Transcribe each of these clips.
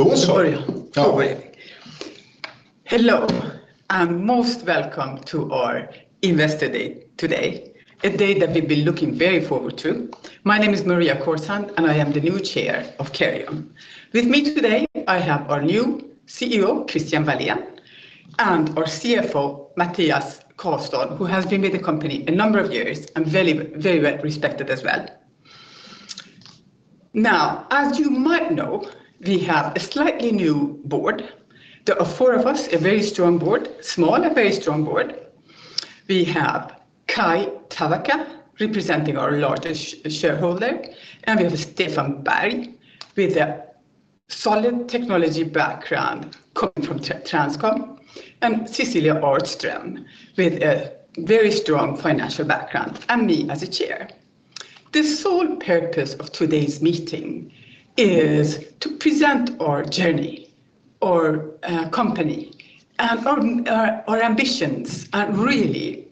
Då så! Ja. Hello, most welcome to our Investor Day today, a day that we've been looking very forward to. My name is Maria Korsman. I am the new Chair of Careium. With me today, I have our new CEO, Christian Walén, our CFO, Mathias Carlsson, who has been with the company a number of years, very well respected as well. As you might know, we have a slightly new board. There are four of us, a very strong board. Small, a very strong board. We have Kai Tavakka, representing our largest shareholder. We have Stefan Berg, with a solid technology background coming from Transcom. Cecilia Örtstöm, with a very strong financial background, and me as a Chair. The sole purpose of today's meeting is to present our journey, our company, and our ambitions. Really,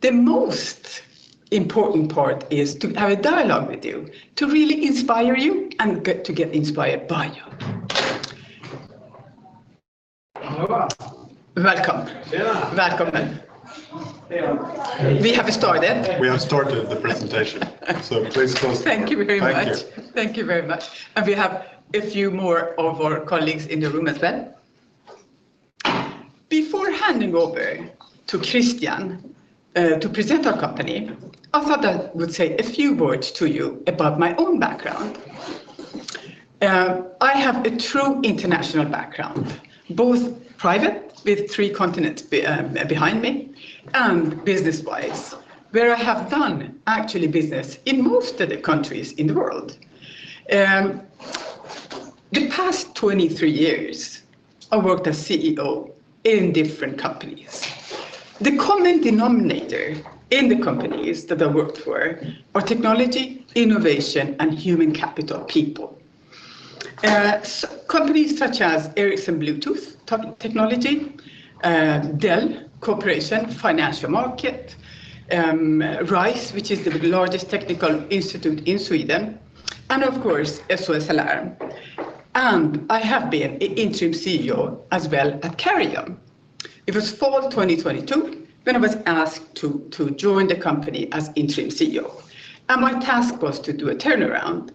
the most important part is to have a dialogue with you, to really inspire you and get inspired by you. Welcome. Yeah. Welcome. Yeah. We have started. We have started the presentation, so please close the door. Thank you very much. Thank you. Thank you very much. We have a few more of our colleagues in the room as well. Before handing over to Christian, to present our company, I thought I would say a few words to you about my own background. I have a true international background, both private, with three continents behind me, and business-wise, where I have done actually business in most of the countries in the world. The past 23 years, I worked as CEO in different companies. The common denominator in the companies that I worked for are technology, innovation, and human capital, people. Companies such as Ericsson Bluetooth, technology, Dell Corporation, financial market, RISE, which is the largest technical institute in Sweden, and of course, SOS Alarm. I have been interim CEO as well at Careium. It was fall 2022, when I was asked to join the company as interim CEO. My task was to do a turnaround.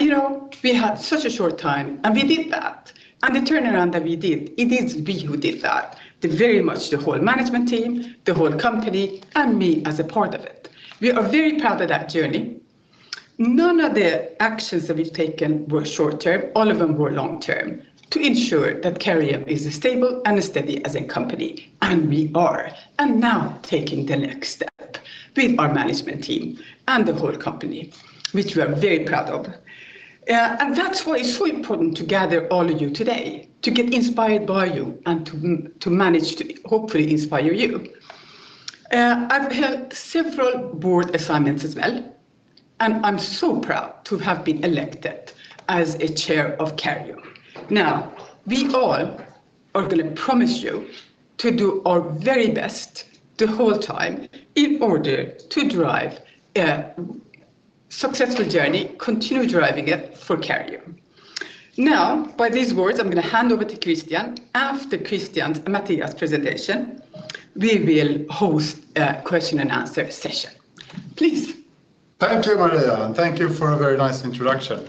You know, we had such a short time. We did that. The turnaround that we did, it is we who did that, the very much the whole management team, the whole company, and me as a part of it. We are very proud of that journey. None of the actions that we've taken were short term. All of them were long term, to ensure that Careium is stable and steady as a company, and we are, now taking the next step with our management team and the whole company, which we are very proud of. That's why it's so important to gather all of you today, to get inspired by you and to manage to hopefully inspire you. I've had several board assignments as well, and I'm so proud to have been elected as a chair of Careium. We all are gonna promise you to do our very best the whole time in order to drive a successful journey, continue driving it for Careium. By these words, I'm gonna hand over to Christian. After Christian and Mathias Carlsson presentation, we will host a question and answer session. Please. Thank you, Maria, and thank you for a very nice introduction.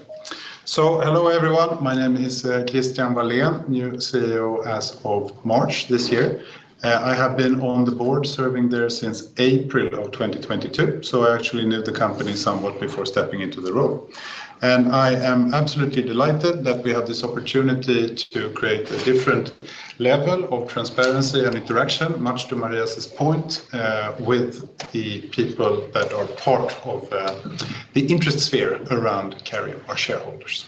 Hello, everyone. My name is Christian Walén, new CEO as of March this year. I have been on the board, serving there since April of 2022, so I actually knew the company somewhat before stepping into the role. I am absolutely delighted that we have this opportunity to create a different level of transparency and interaction, much to Maria's point, with the people that are part of the interest sphere around Careium, our shareholders.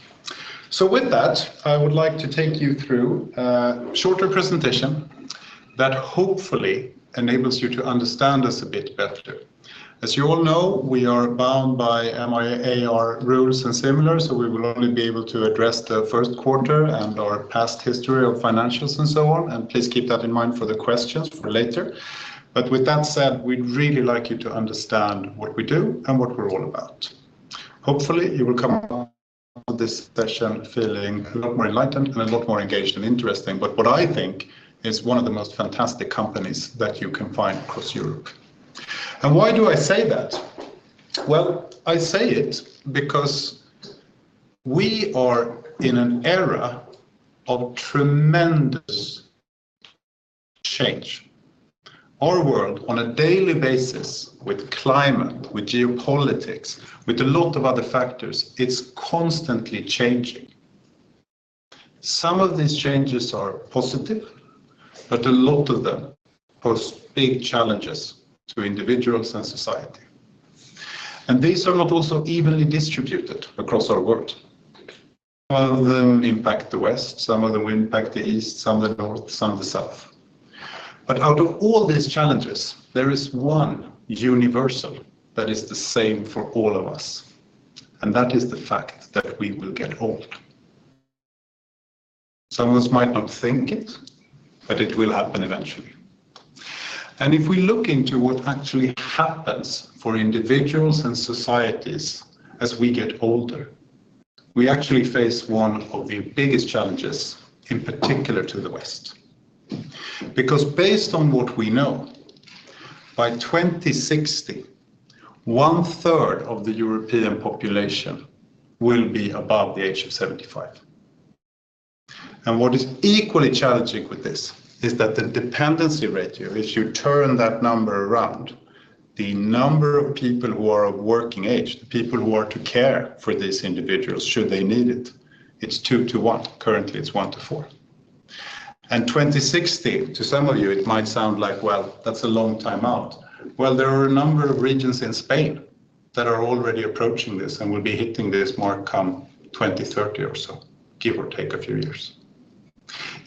With that, I would like to take you through a shorter presentation that hopefully enables you to understand us a bit better. As you all know, we are bound by MAR rules and similar, so we will only be able to address the first quarter and our past history of financials and so on, and please keep that in mind for the questions for later. With that said, we'd really like you to understand what we do and what we're all about. Hopefully, you will come out of this session feeling a lot more enlightened and a lot more engaged and interesting, but what I think is one of the most fantastic companies that you can find across Europe. Why do I say that? Well, I say it because we are in an era of tremendous change. Our world, on a daily basis, with climate, with geopolitics, with a lot of other factors, it's constantly changing. Some of these changes are positive, but a lot of them pose big challenges to individuals and society. These are not also evenly distributed across our world. Some of them impact the West, some of them impact the East, some the North, some the South. Out of all these challenges, there is one universal that is the same for all of us, and that is the fact that we will get old. Some of us might not think it, but it will happen eventually. If we look into what actually happens for individuals and societies as we get older, we actually face one of the biggest challenges, in particular to the West. Based on what we know, by 2060, 1/3 of the European population will be above the age of 75. What is equally challenging with this, is that the dependency ratio, if you turn that number around, the number of people who are of working age, the people who are to care for these individuals, should they need it's 2 to 1. Currently, it's 1 to 4. 2060, to some of you, it might sound like, well, that's a long time out. Well, there are a number of regions in Spain that are already approaching this and will be hitting this mark come 2030 or so, give or take a few years.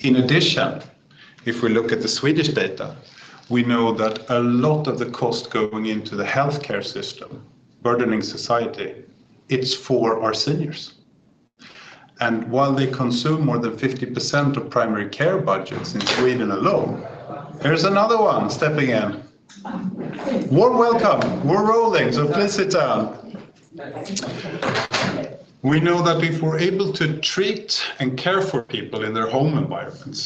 In addition, if we look at the Swedish data, we know that a lot of the cost going into the healthcare system, burdening society, it's for our seniors. While they consume more than 50% of primary care budgets in Sweden alone, there's another one stepping in. Warm welcome. We're rolling, so please sit down. We know that if we're able to treat and care for people in their home environments,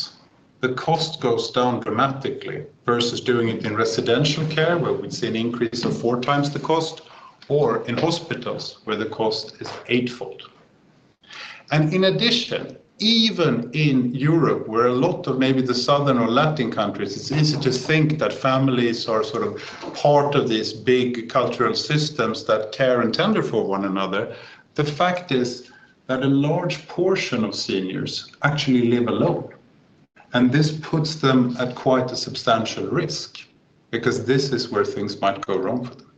the cost goes down dramatically versus doing it in residential care, where we see an increase of four times the cost, or in hospitals, where the cost is eightfold. In addition, even in Europe, where a lot of maybe the Southern or Latin countries, it's easy to think that families are sort of part of these big cultural systems that care and tender for one another. The fact is that a large portion of seniors actually live alone, and this puts them at quite a substantial risk because this is where things might go wrong for them.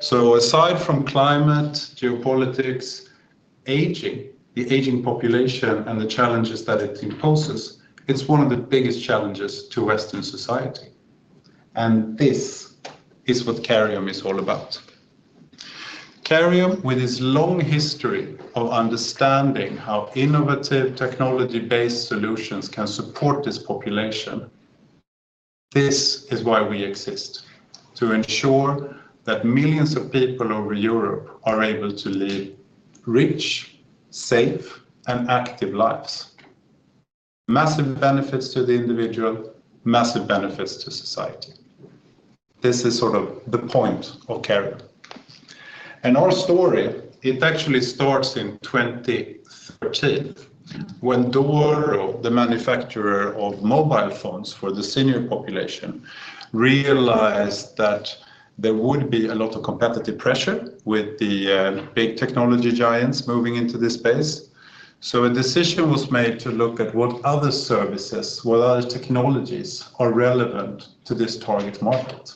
Aside from climate, geopolitics, aging, the aging population, and the challenges that it imposes, it's one of the biggest challenges to Western society. This is what Careium is all about. Careium, with its long history of understanding how innovative technology-based solutions can support this population, this is why we exist, to ensure that millions of people over Europe are able to live rich, safe, and active lives. Massive benefits to the individual, massive benefits to society. This is sort of the point of Careium. Our story, it actually starts in 2013, when Doro, the manufacturer of mobile phones for the senior population, realized that there would be a lot of competitive pressure with the big technology giants moving into this space. A decision was made to look at what other services, what other technologies are relevant to this target market.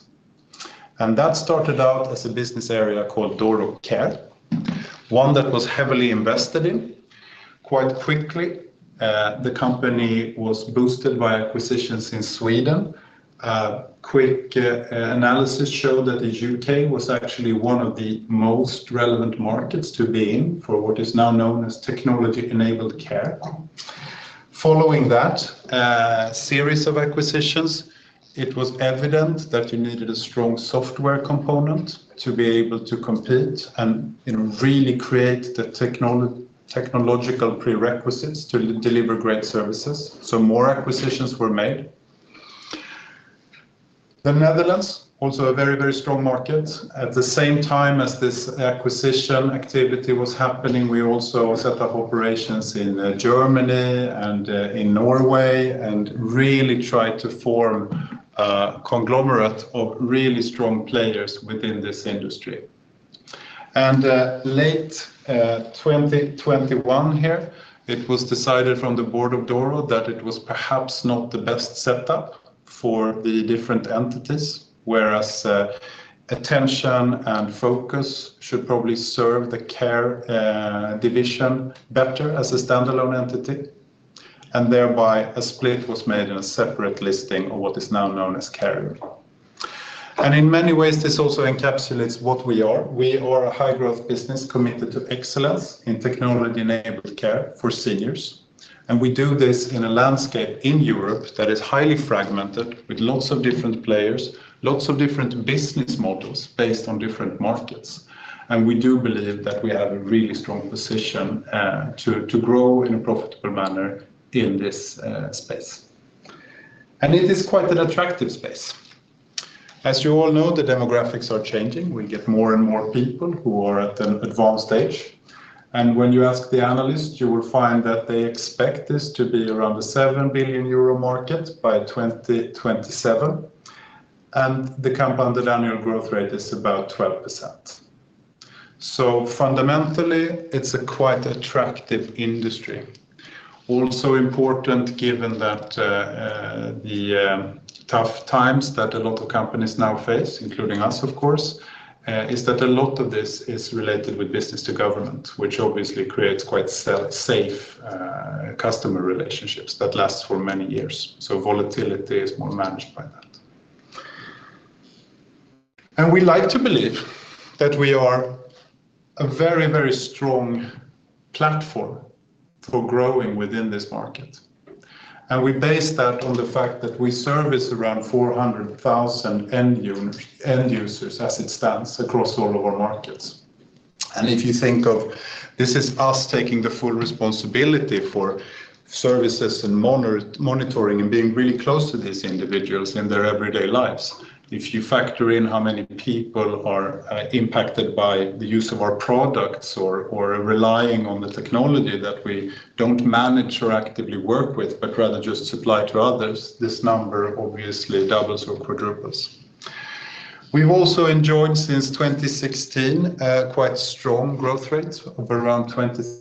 That started out as a business area called Doro Care, one that was heavily invested in. Quite quickly, the company was boosted by acquisitions in Sweden. A quick analysis showed that the U.K. was actually one of the most relevant markets to be in for what is now known as Technology-Enabled Care. Following that series of acquisitions, it was evident that you needed a strong software component to be able to compete and, you know, really create the technological prerequisites to deliver great services. More acquisitions were made. The Netherlands, also a very, very strong market. At the same time as this acquisition activity was happening, we also set up operations in Germany and in Norway and really tried to form a conglomerate of really strong players within this industry. Late 2021 here, it was decided from the board of Doro that it was perhaps not the best setup for the different entities, whereas attention and focus should probably serve the care division better as a standalone entity, and thereby a split was made in a separate listing of what is now known as Careium. In many ways, this also encapsulates what we are. We are a high-growth business committed to excellence in Technology-Enabled Care for seniors, and we do this in a landscape in Europe that is highly fragmented, with lots of different players, lots of different business models based on different markets. We do believe that we have a really strong position to grow in a profitable manner in this space. It is quite an attractive space. As you all know, the demographics are changing. We get more and more people who are at an advanced age. When you ask the analyst, you will find that they expect this to be around a 7 billion euro market by 2027, and the Compounded Annual Growth Rate is about 12%. Fundamentally, it's a quite attractive industry. Also important, given that the tough times that a lot of companies now face, including us, of course, is that a lot of this is related with business-to-government, which obviously creates quite safe customer relationships that last for many years. Volatility is more managed by that. We like to believe that we are a very, very strong platform for growing within this market. We base that on the fact that we service around 400,000 end users as it stands across all of our markets. If you think of this is us taking the full responsibility for services and monitoring, and being really close to these individuals in their everyday lives. If you factor in how many people are impacted by the use of our products or relying on the technology that we don't manage or actively work with, but rather just supply to others, this number obviously doubles or quadruples. We've also enjoyed, since 2016, a quite strong growth rate of around 20%.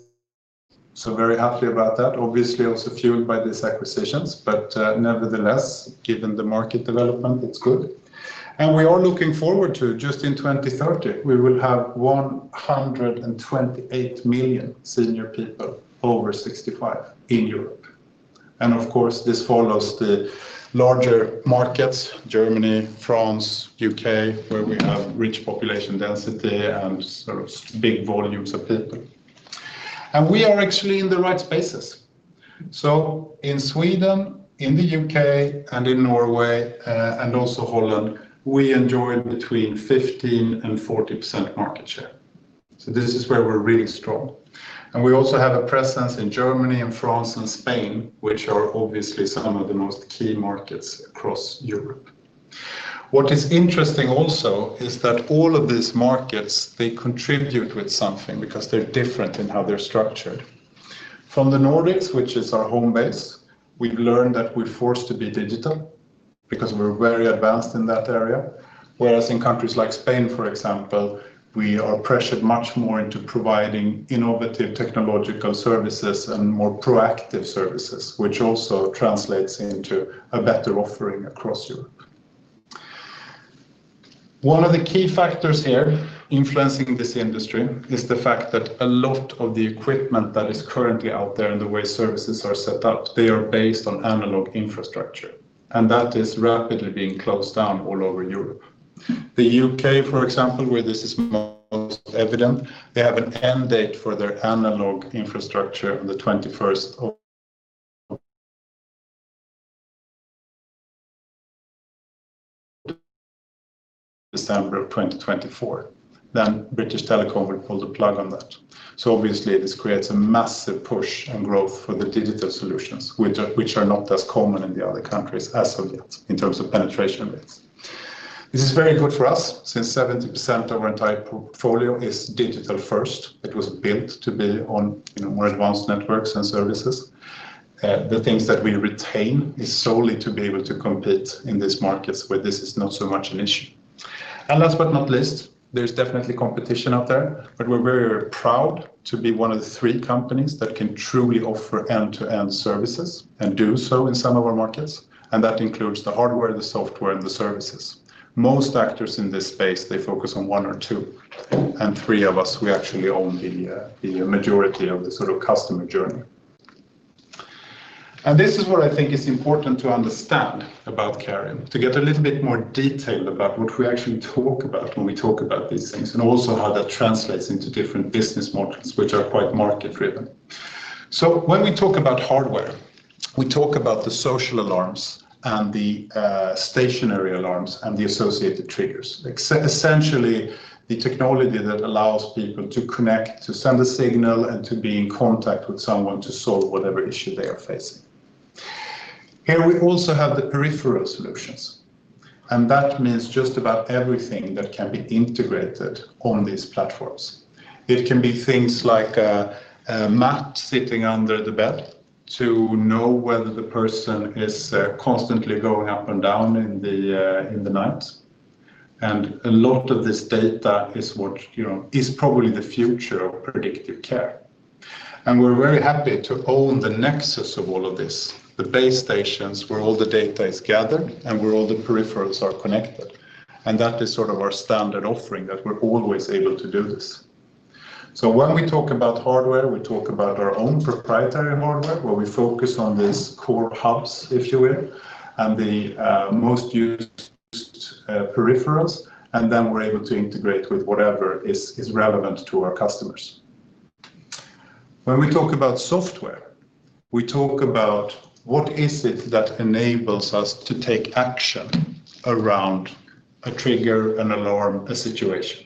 Very happy about that. Obviously, also fueled by these acquisitions, but, nevertheless, given the market development, it's good. We are looking forward to just in 2030, we will have 128 million senior people over 65 in Europe. Of course, this follows the larger markets, Germany, France, UK, where we have rich population density and sort of big volumes of people. We are actually in the right spaces. In Sweden, in the UK, and in Norway, and also Holland, we enjoy between 15% and 40% market share. This is where we're really strong. We also have a presence in Germany, and France, and Spain, which are obviously some of the most key markets across Europe. What is interesting also is that all of these markets, they contribute with something because they're different in how they're structured. From the Nordics, which is our home base, we've learned that we're forced to be digital because we're very advanced in that area. Whereas in countries like Spain, for example, we are pressured much more into providing innovative technological services and more proactive services, which also translates into a better offering across Europe. One of the key factors here influencing this industry is the fact that a lot of the equipment that is currently out there and the way services are set up, they are based on analog infrastructure, and that is rapidly being closed down all over Europe. The UK, for example, where this is most evident, they have an end date for their analog infrastructure on the 21st of December 2024. British Telecom will pull the plug on that. Obviously, this creates a massive push and growth for the digital solutions, which are not as common in the other countries as of yet in terms of penetration rates. This is very good for us since 70% of our entire portfolio is digital-first. It was built to be on, you know, more advanced networks and services. The things that we retain is solely to be able to compete in these markets where this is not so much an issue. Last but not least, there's definitely competition out there, but we're very proud to be one of the three companies that can truly offer end-to-end services and do so in some of our markets, and that includes the hardware, the software, and the services. Most actors in this space, they focus on one or two, and three of us, we actually own the majority of the sort of customer journey. This is what I think is important to understand about Careium, to get a little bit more detailed about what we actually talk about when we talk about these things, and also how that translates into different business models, which are quite market-driven. When we talk about hardware, we talk about the social alarms and the stationary alarms and the associated triggers. Essentially, the technology that allows people to connect, to send a signal, and to be in contact with someone to solve whatever issue they are facing. Here, we also have the peripheral solutions, and that means just about everything that can be integrated on these platforms. It can be things like a mat sitting under the bed to know whether the person is constantly going up and down in the night. A lot of this data is what, you know, is probably the future of predictive care. We're very happy to own the nexus of all of this, the base stations, where all the data is gathered and where all the peripherals are connected. That is sort of our standard offering, that we're always able to do this. When we talk about hardware, we talk about our own proprietary hardware, where we focus on these core hubs, if you will, and the most used peripherals, and then we're able to integrate with whatever is relevant to our customers. When we talk about software, we talk about what is it that enables us to take action around a trigger, an alarm, a situation.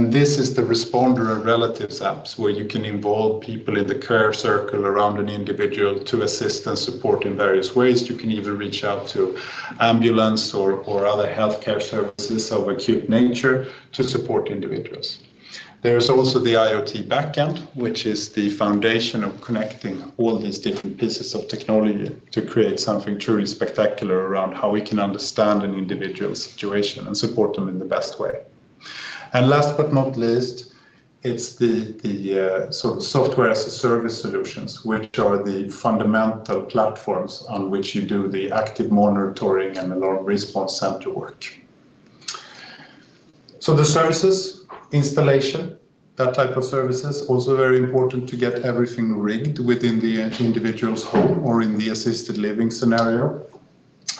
This is the responder and relatives apps, where you can involve people in the care circle around an individual to assist and support in various ways. You can either reach out to ambulance or other healthcare services of acute nature to support individuals. There's also the IoT backend, which is the foundation of connecting all these different pieces of technology to create something truly spectacular around how we can understand an individual's situation and support them in the best way. Last but not least, it's the sort of software service solutions, which are the fundamental platforms on which you do the active monitoring and alarm response center work. The services, installation, that type of services, also very important to get everything rigged within the individual's home or in the assisted living scenario.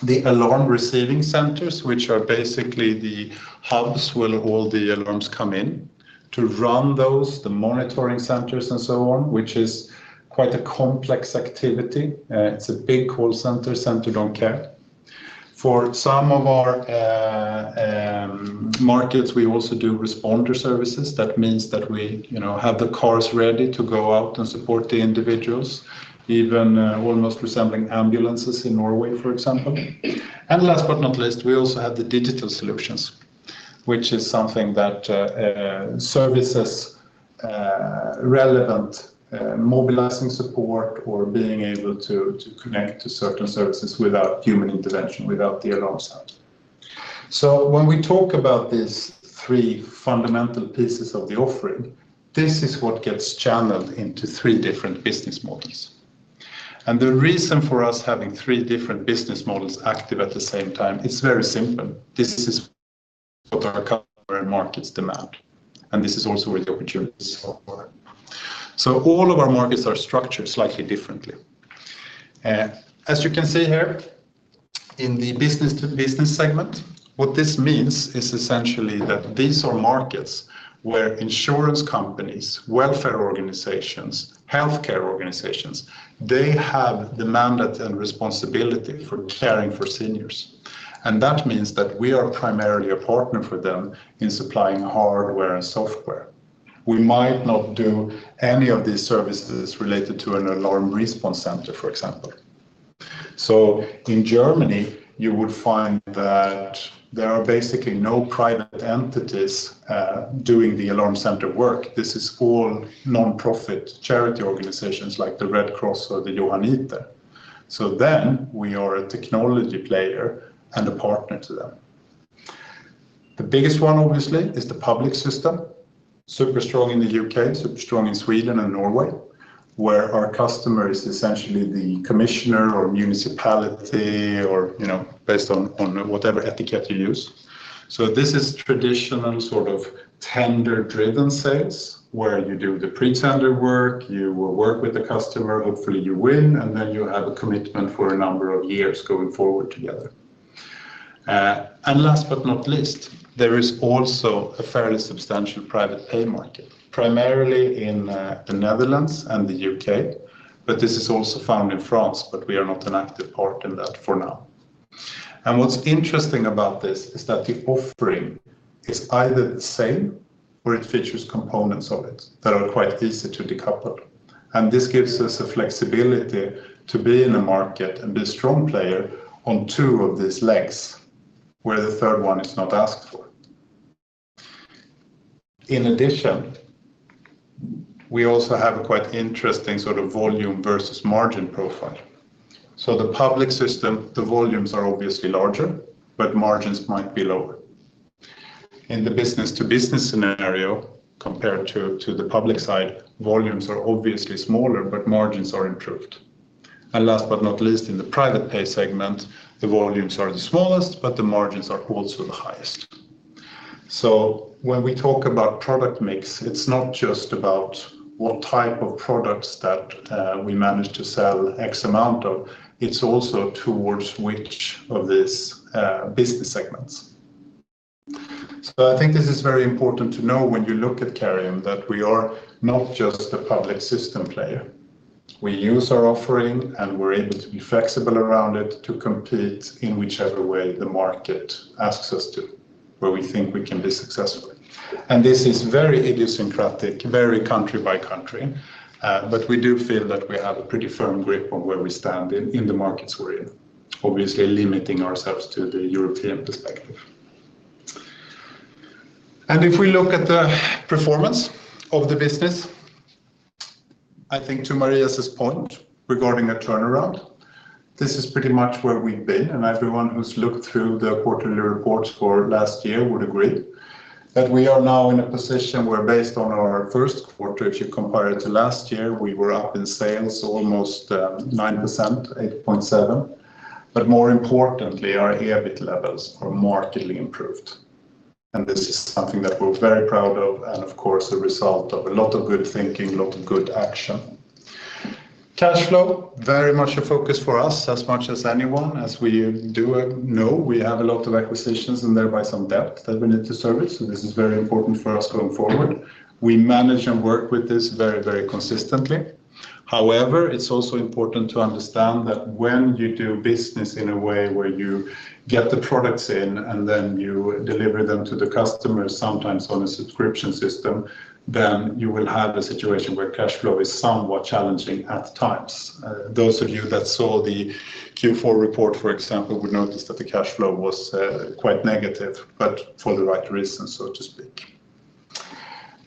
The Alarm Receiving Centres, which are basically the hubs where all the alarms come in, to run those, the monitoring centers and so on, which is quite a complex activity. It's a big call center don't care. For some of our markets, we also do responder services. That means that we, you know, have the cars ready to go out and support the individuals, even almost resembling ambulances in Norway, for example. Last but not least, we also have the digital solutions, which is something that services relevant mobilizing support or being able to connect to certain services without human intervention, without the alarm sound. When we talk about these three fundamental pieces of the offering, this is what gets channeled into three different business models. The reason for us having three different business models active at the same time, it's very simple. This is what our current markets demand, and this is also where the opportunities are. All of our markets are structured slightly differently. As you can see here in the business-to-business segment, what this means is essentially that these are markets where insurance companies, welfare organizations, healthcare organizations, they have the mandate and responsibility for caring for seniors. That means that we are primarily a partner for them in supplying hardware and software. We might not do any of these services related to an alarm response center, for example. In Germany, you would find that there are basically no private entities doing the alarm center work. This is all nonprofit charity organizations like the Red Cross or the Johanniter. We are a technology player and a partner to them. The biggest one, obviously, is the public system. Super strong in the UK, super strong in Sweden and Norway, where our customer is essentially the commissioner or municipality or, you know, based on whatever etiquette you use. This is traditional sort of tender-driven sales, where you do the pre-tender work, you will work with the customer, hopefully you win, and then you have a commitment for a number of years going forward together. Last but not least, there is also a fairly substantial private pay market, primarily in the Netherlands and the UK, but this is also found in France, but we are not an active part in that for now. What's interesting about this is that the offering is either the same or it features components of it that are quite easy to decouple. This gives us a flexibility to be in a market and be a strong player on two of these legs, where the third one is not asked for. In addition, we also have a quite interesting sort of volume versus margin profile. The public system, the volumes are obviously larger, but margins might be lower. In the business-to-business scenario, compared to the public side, volumes are obviously smaller, but margins are improved. Last but not least, in the private pay segment, the volumes are the smallest, but the margins are also the highest. When we talk about product mix, it's not just about what type of products that we managed to sell X amount of, it's also towards which of these business segments. I think this is very important to know when you look at Careium, that we are not just a public system player. We use our offering, and we're able to be flexible around it to compete in whichever way the market asks us to, where we think we can be successful. This is very idiosyncratic, very country by country, but we do feel that we have a pretty firm grip on where we stand in the markets we're in, obviously limiting ourselves to the European perspective. If we look at the performance of the business, I think to Maria's point regarding a turnaround, this is pretty much where we've been, and everyone who's looked through the quarterly reports for last year would agree. That we are now in a position where, based on our first quarter, if you compare it to last year, we were up in sales almost 9%, 8.7%. More importantly, our EBIT levels are markedly improved. This is something that we're very proud of, and of course, a result of a lot of good thinking, a lot of good action. Cash flow, very much a focus for us as much as anyone, as we do know we have a lot of acquisitions and thereby some debt that we need to service. This is very important for us going forward. We manage and work with this very, very consistently. However, it's also important to understand that when you do business in a way where you get the products in and then you deliver them to the customer, sometimes on a subscription system, then you will have a situation where cash flow is somewhat challenging at times. Those of you that saw the Q4 report, for example, would notice that the cash flow was quite negative, but for the right reasons, so to speak.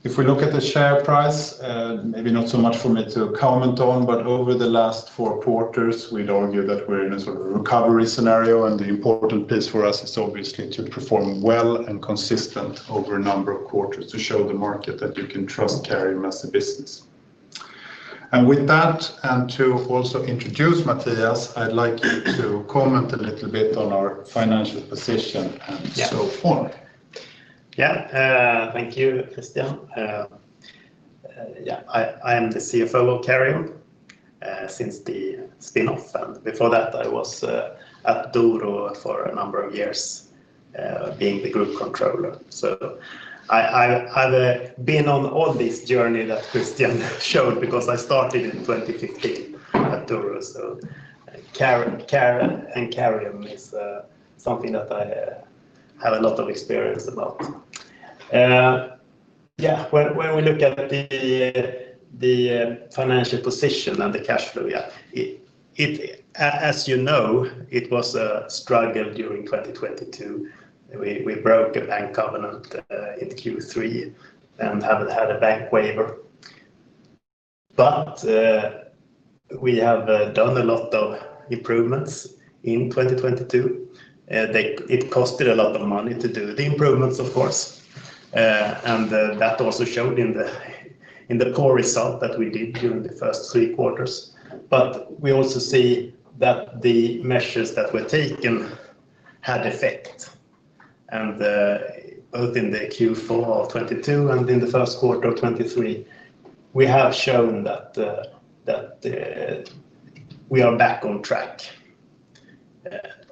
If we look at the share price, maybe not so much for me to comment on, but over the last four quarters, we'd argue that we're in a sort of recovery scenario, and the important piece for us is obviously to perform well and consistent over a number of quarters to show the market that you can trust Careium as a business. With that, and to also introduce Mathias, I'd like you to comment a little bit on our financial position and so forth. Thank you, Christian. I am the CFO of Careium since the spin-off, before that, I was at Doro for a number of years, being the group controller. I've been on all this journey that Christian showed because I started in 2015 at Doro. Careium is something that I have a lot of experience about. When we look at the financial position and the cash flow, as you know, it was a struggle during 2022. We broke a bank covenant in Q3, have had a bank waiver. We have done a lot of improvements in 2022. It costed a lot of money to do the improvements, of course, that also showed in the core result that we did during the first three quarters. We also see that the measures that were taken had effect, both in the Q4 of 2022 and in the first quarter of 2023, we have shown we are back on track.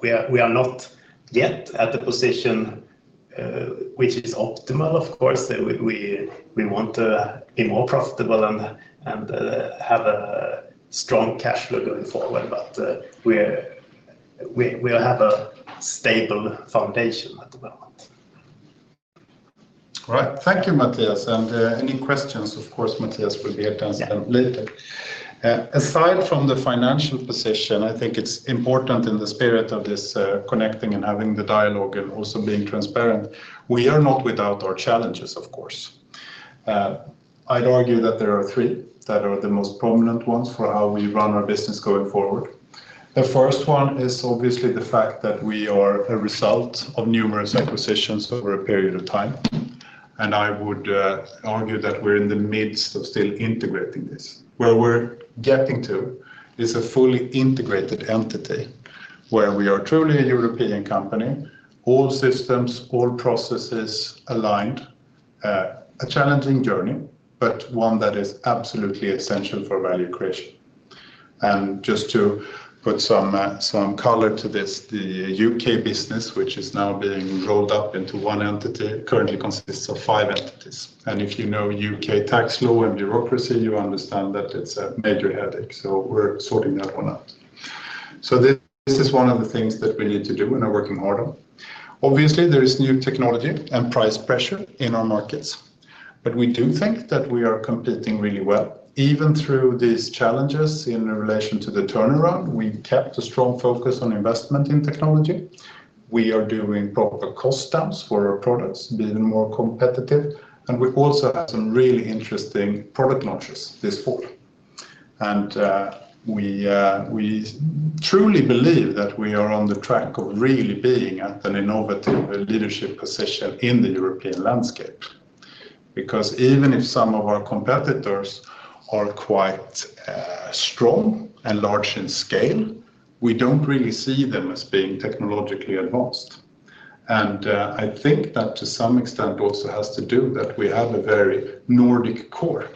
We are not yet at the position, which is optimal, of course. We want to be more profitable and have a strong cash flow going forward, we'll have a stable foundation at the moment. All right. Thank you, Mathias Carlsson. Any questions, of course, Mathias Carlsson will be able to answer them later. Yeah. Aside from the financial position, I think it's important in the spirit of this, connecting and having the dialogue and also being transparent, we are not without our challenges, of course. I'd argue that there are three that are the most prominent ones for how we run our business going forward. The first one is obviously the fact that we are a result of numerous acquisitions over a period of time, I would argue that we're in the midst of still integrating this. Where we're getting to is a fully integrated entity, where we are truly a European company, all systems, all processes aligned. A challenging journey, but one that is absolutely essential for value creation. Just to put some color to this, the U.K. business, which is now being rolled up into one entity, currently consists of five entities. If you know UK tax law and bureaucracy, you understand that it's a major headache. We're sorting that one out. This is one of the things that we need to do and are working hard on. Obviously, there is new technology and price pressure in our markets. We do think that we are competing really well. Even through these challenges in relation to the turnaround, we've kept a strong focus on investment in technology. We are doing proper cost downs for our products to be even more competitive. We also have some really interesting product launches this fall. We truly believe that we are on the track of really being at an innovative leadership position in the European landscape. Even if some of our competitors are quite strong and large in scale, we don't really see them as being technologically advanced. I think that to some extent also has to do that we have a very Nordic core,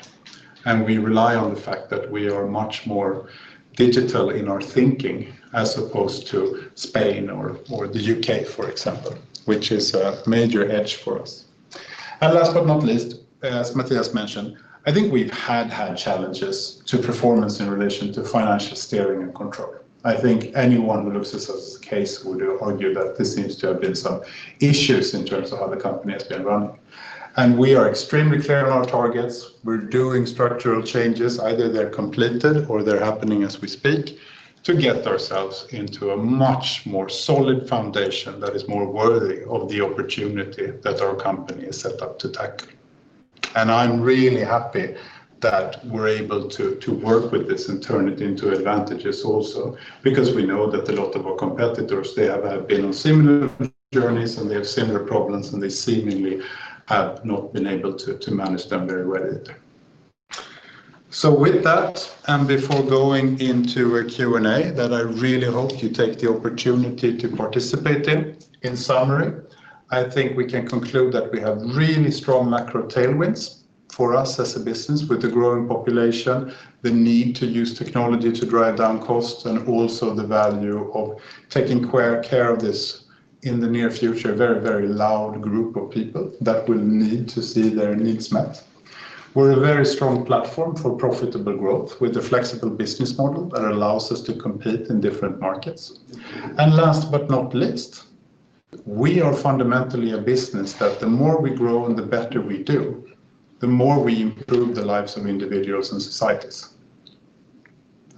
and we rely on the fact that we are much more digital in our thinking, as opposed to Spain or the UK, for example, which is a major edge for us. Last but not least, as Mathias mentioned, I think we've had challenges to performance in relation to financial steering and control. I think anyone who looks at us as a case would argue that this seems to have been some issues in terms of how the company has been running. We are extremely clear on our targets. We're doing structural changes. Either they're completed or they're happening as we speak, to get ourselves into a much more solid foundation that is more worthy of the opportunity that our company is set up to tackle. I'm really happy that we're able to work with this and turn it into advantages also, because we know that a lot of our competitors, they have been on similar journeys, and they have similar problems, and they seemingly have not been able to manage them very well either. With that, and before going into a Q&A, that I really hope you take the opportunity to participate in. In summary, I think we can conclude that we have really strong macro tailwinds for us as a business with the growing population, the need to use technology to drive down costs, and also the value of taking care of this in the near future, a very loud group of people that will need to see their needs met. We're a very strong platform for profitable growth with a flexible business model that allows us to compete in different markets. Last but not least, we are fundamentally a business that the more we grow and the better we do, the more we improve the lives of individuals and societies.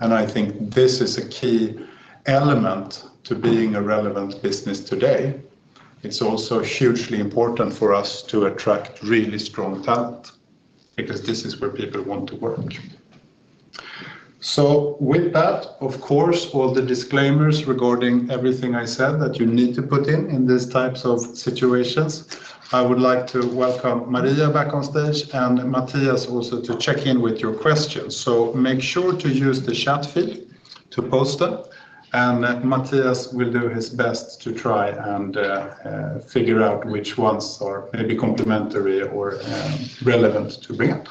I think this is a key element to being a relevant business today. It's also hugely important for us to attract really strong talent because this is where people want to work. With that, of course, all the disclaimers regarding everything I said that you need to put in these types of situations. I would like to welcome Maria back on stage and Mathias also, to check in with your questions. Make sure to use the chat feed to post them, and Mathias will do his best to try and figure which ones are maybe complimentary or relevant to bring up.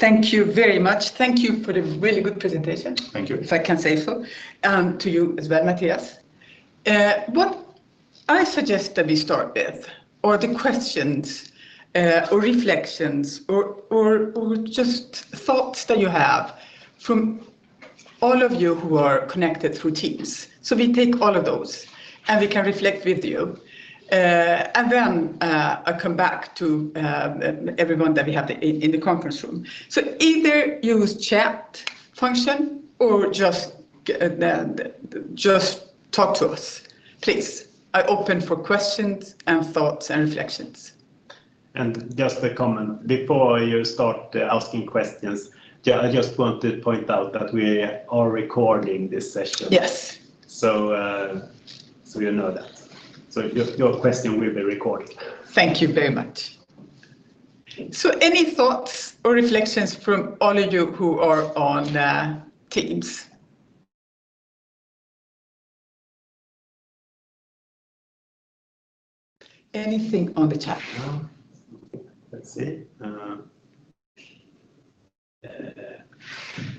Thank you very much. Thank you for the really good presentation- Thank you. if I can say so. To you as well, Mathias. What I suggest that we start with, or the questions, or reflections, or just thoughts that you have from all of you who are connected through Teams. We take all of those, and we can reflect with you, and then, I come back to everyone that we have in the conference room. Either use chat function or just talk to us, please. I'm open for questions, and thoughts, and reflections. Just a comment. Before you start asking questions, yeah, I just want to point out that we are recording this session. Yes. You know that. Your question will be recorded. Thank you very much. Thanks. Any thoughts or reflections from all of you who are on Teams? Anything on the chat? Let's see.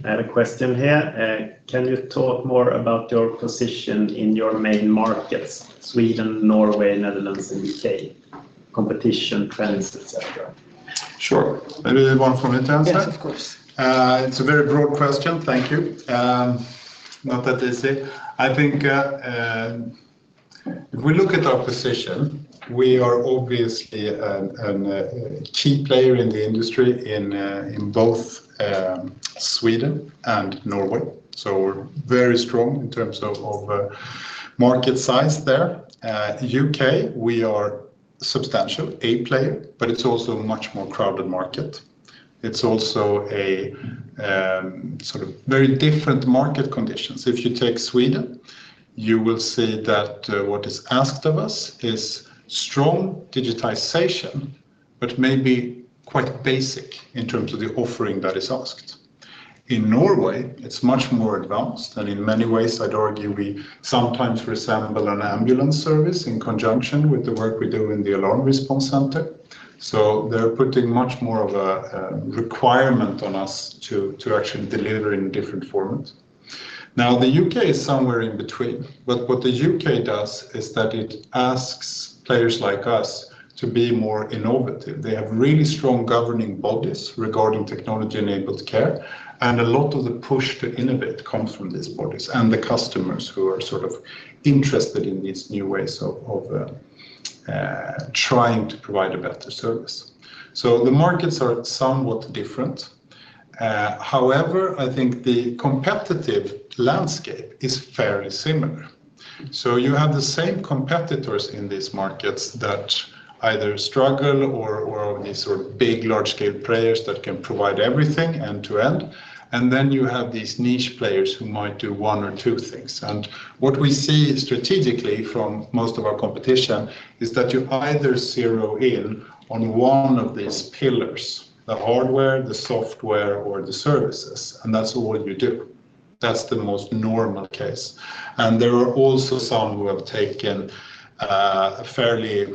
I have a question here: "Can you talk more about your position in your main markets, Sweden, Norway, Netherlands, and UK, competition, trends, et cetera? Sure. Maybe one for me to answer? Yes, of course. It's a very broad question. Thank you. Not that easy. I think, if we look at our position, we are obviously a key player in the industry in both Sweden and Norway. We're very strong in terms of market size there. UK, we are substantial, a player. It's also a much more crowded market. It's also a sort of very different market conditions. If you take Sweden, you will see that what is asked of us is strong digitization, but maybe quite basic in terms of the offering that is asked. In Norway, it's much more advanced. In many ways, I'd argue we sometimes resemble an ambulance service in conjunction with the work we do in the alarm response center. They're putting much more of a requirement on us to actually deliver in different forms. The UK is somewhere in between, but what the UK does is that it asks players like us to be more innovative. They have really strong governing bodies regarding Technology-Enabled Care, and a lot of the push to innovate comes from these bodies and the customers who are sort of interested in these new ways of trying to provide a better service. The markets are somewhat different. However, I think the competitive landscape is fairly similar. You have the same competitors in these markets that either struggle or are these sort of big, large-scale players that can provide everything end-to-end. You have these niche players who might do one or two things. What we see strategically from most of our competition is that you either zero in on one of these pillars, the hardware, the software, or the services, and that's all you do. That's the most normal case. There are also some who have taken a fairly,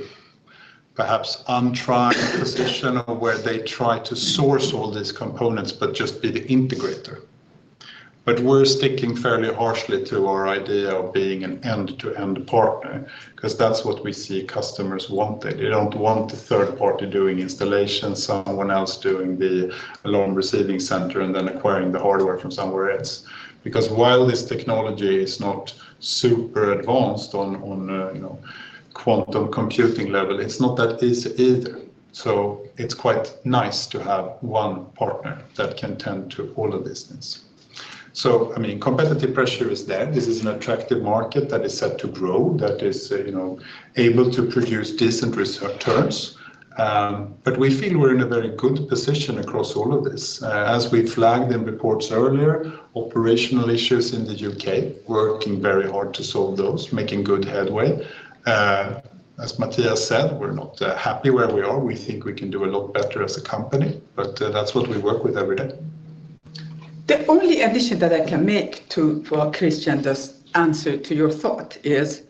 perhaps untried position where they try to source all these components but just be the integrator. We're sticking fairly harshly to our idea of being an end-to-end partner, 'cause that's what we see customers wanting. They don't want a third party doing installation, someone else doing the alarm receiving center, and then acquiring the hardware from somewhere else. While this technology is not super advanced on a, you know, quantum computing level, it's not that easy either. It's quite nice to have one partner that can tend to all of these things. I mean, competitive pressure is there. This is an attractive market that is set to grow, that is, you know, able to produce decent returns. We feel we're in a very good position across all of this. As we flagged in reports earlier, operational issues in the UK, we're working very hard to solve those, making good headway. As Mathias Carlsson said, we're not happy where we are. We think we can do a lot better as a company, but that's what we work with every day. The only addition that I can make to, for Christian, this answer to your thought is,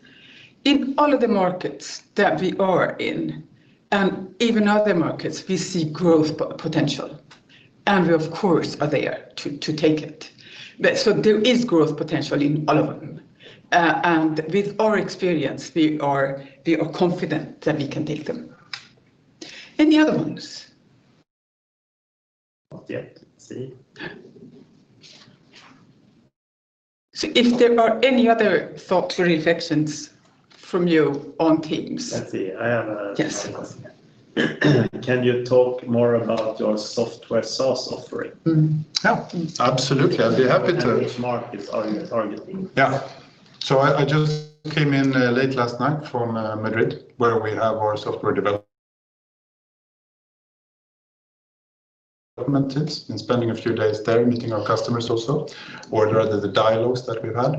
in all of the markets that we are in, and even other markets, we see growth potential, and we, of course, are there to take it. There is growth potential in all of them. With our experience, we are confident that we can take them. Any other ones? Not yet. See. If there are any other thoughts or reflections from you on Teams? Let's see. I have a- Yes... question here. "Can you talk more about your software source offering? Yeah, absolutely. I'd be happy to. Which markets are you targeting? Yeah. I just came in late last night from Madrid, where we have our software development implemented and spending a few days there, meeting our customers also, or rather, the dialogues that we've had.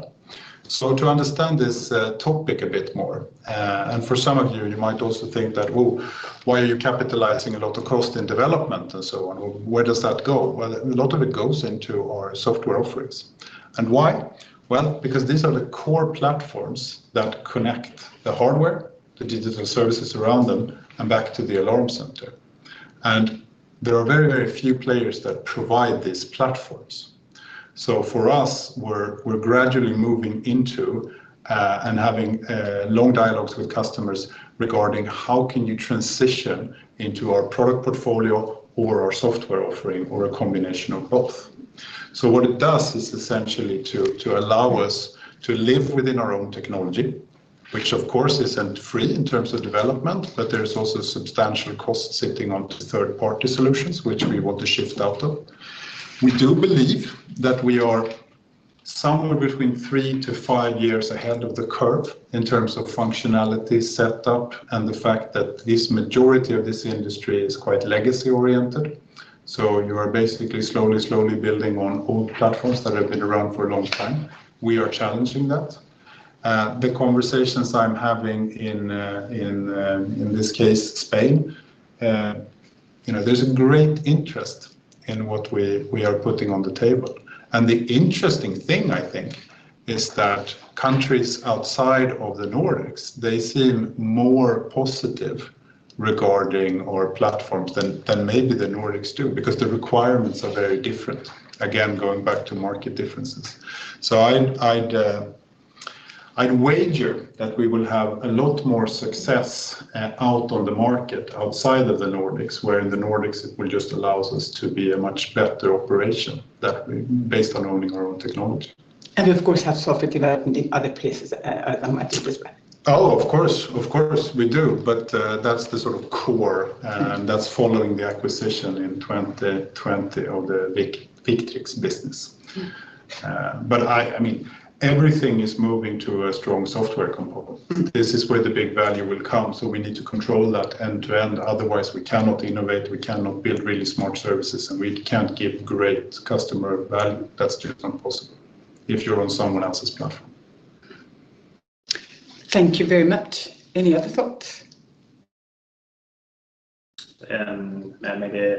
To understand this topic a bit more, and for some of you might also think that, oh, why are you capitalizing a lot of cost in development and so on? Where does that go? Well, a lot of it goes into our software offerings. Why? Well, because these are the core platforms that connect the hardware, the digital services around them, and back to the alarm center. There are very, very few players that provide these platforms. For us, we're gradually moving into and having long dialogues with customers regarding how can you transition into our product portfolio or our software offering, or a combination of both. What it does is essentially to allow us to live within our own technology, which, of course, isn't free in terms of development, but there is also substantial cost sitting on to third-party solutions, which we want to shift out of. We do believe that we are somewhere between three to five years ahead of the curve in terms of functionality, setup, and the fact that this majority of this industry is quite legacy-oriented. You are basically slowly building on old platforms that have been around for a long time. We are challenging that. The conversations I'm having in this case, Spain, you know, there's a great interest in what we are putting on the table. The interesting thing, I think, is that countries outside of the Nordics, they seem more positive regarding our platforms than maybe the Nordics do, because the requirements are very different. Again, going back to market differences. I'd wager that we will have a lot more success out on the market outside of the Nordics, where in the Nordics, it will just allows us to be a much better operation that based on owning our own technology. Of course, have software development in other places, I might as well. Oh, of course. Of course, we do. That's the sort of core, and that's following the acquisition in 2020 of the big Victrix business. I mean, everything is moving to a strong software component. This is where the big value will come, so we need to control that end-to-end. Otherwise, we cannot innovate, we cannot build really smart services, and we can't give great customer value. That's just not possible if you're on someone else's platform. Thank you very much. Any other thoughts? Maybe,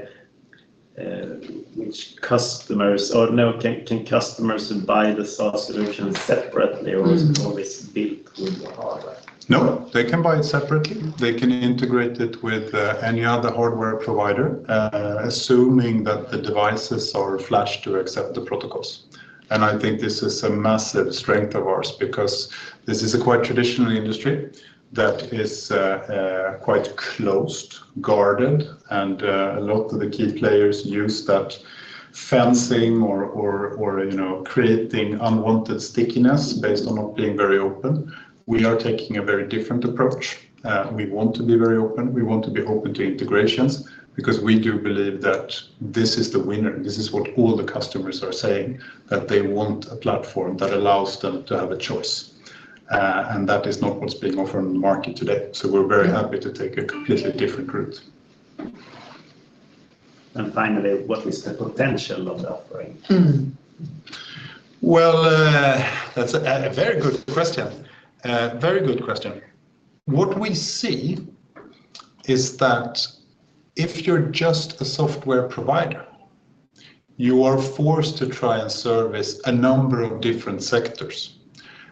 which customers or no, can customers buy the SaaS solution separately, or is always be with the hardware? No, they can buy it separately. They can integrate it with any other hardware provider, assuming that the devices are flashed to accept the protocols. I think this is a massive strength of ours because this is a quite traditional industry that is quite closed, guarded, and a lot of the key players use that fencing or, you know, creating unwanted stickiness based on not being very open. We are taking a very different approach. We want to be very open. We want to be open to integrations because we do believe that this is the winner. This is what all the customers are saying, that they want a platform that allows them to have a choice. That is not what's being offered on the market today, so we're very happy to take a completely different route. Finally, what is the potential of the offering? Well, that's a very good question. Very good question. What we see is that if you're just a software provider, you are forced to try and service a number of different sectors.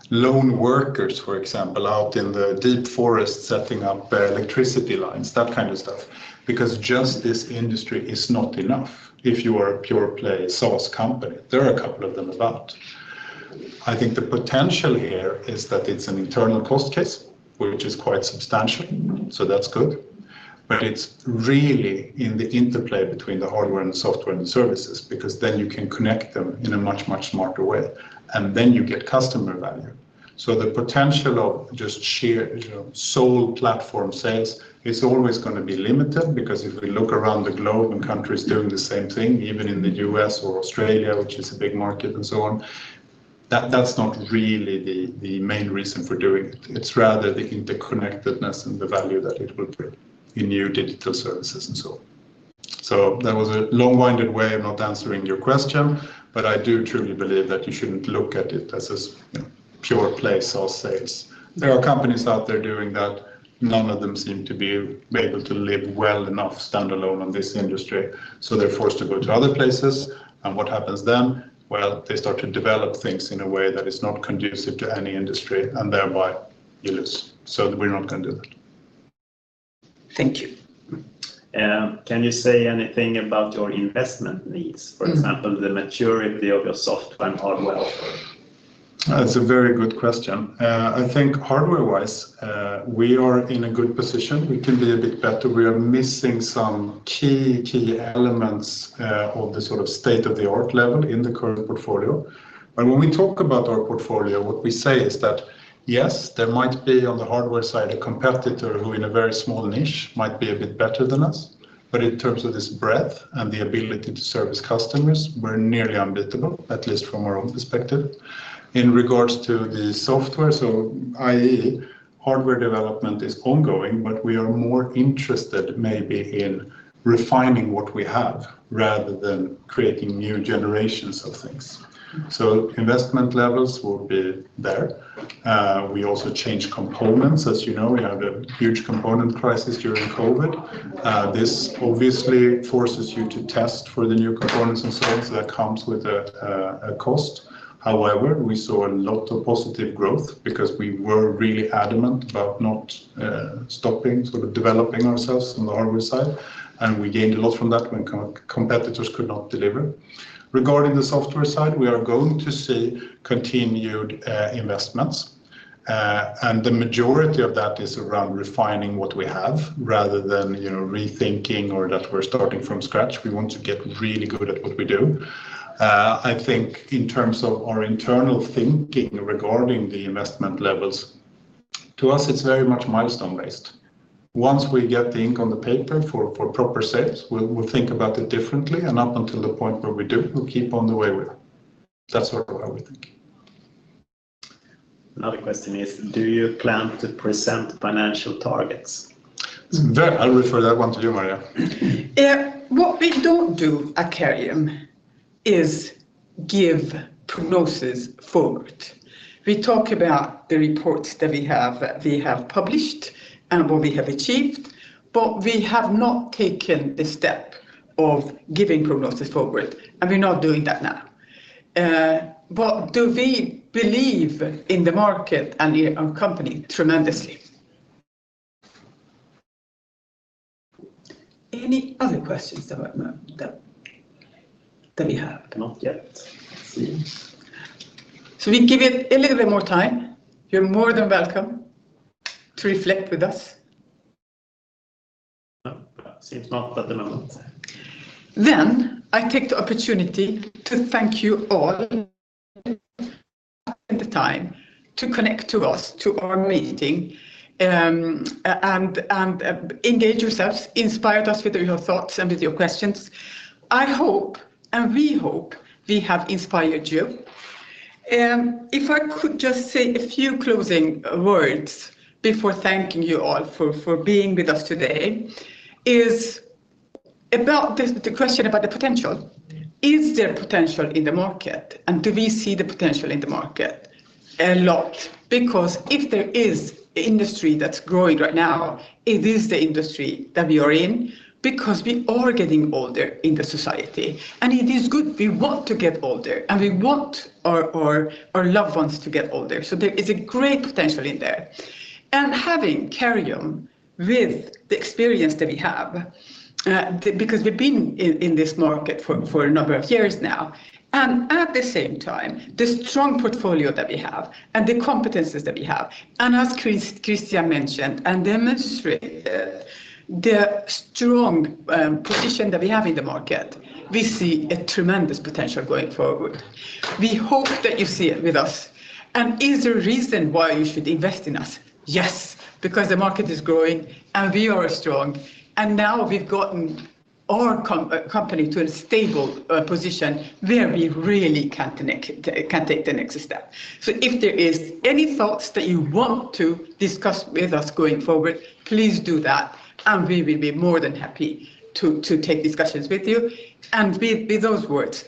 Lone workers, for example, out in the deep forest, setting up electricity lines, that kind of stuff, because just this industry is not enough if you are a pure play SaaS company. There are a couple of them about. I think the potential here is that it's an internal cost case, which is quite substantial, so that's good. It's really in the interplay between the hardware and software and services, because then you can connect them in a much smarter way, and then you get customer value. The potential of just sheer, you know, sole platform sales is always going to be limited, because if we look around the globe and countries doing the same thing, even in the US or Australia, which is a big market and so on, that's not really the main reason for doing it. It's rather the interconnectedness and the value that it will bring in new digital services and so on. That was a long-winded way of not answering your question, but I do truly believe that you shouldn't look at it as a you know, pure play SaaS sales. There are companies out there doing that. None of them seem to be able to live well enough, stand-alone on this industry, so they're forced to go to other places. What happens then? Well, they start to develop things in a way that is not conducive to any industry, and thereby, you lose. We're not gonna do that. Thank you. Can you say anything about your investment needs, for example, the maturity of your software and hardware offering? That's a very good question. I think hardware-wise, we are in a good position. We can be a bit better. We are missing some key elements on the sort of state-of-the-art level in the current portfolio. When we talk about our portfolio, what we say is that, yes, there might be, on the hardware side, a competitor who, in a very small niche, might be a bit better than us, but in terms of this breadth and the ability to service customers, we're nearly unbeatable, at least from our own perspective. In regards to the software, so i.e., hardware development is ongoing, but we are more interested maybe in refining what we have rather than creating new generations of things. Investment levels will be there. We also change components. As you know, we had a huge component crisis during COVID. This obviously forces you to test for the new components and so on, so that comes with a cost. However, we saw a lot of positive growth because we were really adamant about not stopping, sort of, developing ourselves on the hardware side, and we gained a lot from that when competitors could not deliver. Regarding the software side, we are going to see continued investments, and the majority of that is around refining what we have rather than, you know, rethinking or that we're starting from scratch. We want to get really good at what we do. I think in terms of our internal thinking regarding the investment levels, to us, it's very much milestone-based. Once we get the ink on the paper for proper sales, we'll think about it differently. Up until the point where we do, we'll keep on the way we are. That's sort of how we think. Another question is: Do you plan to present financial targets? There, I'll refer that one to you, Maria. Yeah. What we don't do at Careium is give prognosis forward. We talk about the reports that we have, we have published and what we have achieved, but we have not taken the step of giving prognosis forward, and we're not doing that now. Do we believe in the market and in our company? Tremendously. Any other questions about that we have? Not yet. Let's see. We give it a little bit more time. You're more than welcome to reflect with us. Seems not at the moment. I take the opportunity to thank you all for the time to connect to us, to our meeting, and engage yourselves, inspired us with your thoughts and with your questions. I hope, and we hope we have inspired you. If I could just say a few closing words before thanking you all for being with us today, is about this, the question about the potential. Is there potential in the market, and do we see the potential in the market? A lot, because if there is industry that's growing right now, it is the industry that we are in, because we are getting older in the society, and it is good. We want to get older, and we want our loved ones to get older. There is a great potential in there. Having Careium with the experience that we have, because we've been in this market for a number of years now, and at the same time, the strong portfolio that we have and the competencies that we have, and as Christian mentioned, and demonstrate, the strong position that we have in the market, we see a tremendous potential going forward. We hope that you see it with us. Is there a reason why you should invest in us? Yes, because the market is growing, and we are strong, and now we've gotten our company to a stable position where we really can connect it, can take the next step. If there is any thoughts that you want to discuss with us going forward, please do that, and we will be more than happy to take discussions with you. With those words.